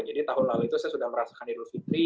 jadi tahun lalu itu saya sudah merasakan idul fitri